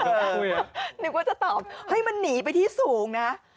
นึกว่าจะตอบเฮ้ยมันหนีไปที่สูงนะ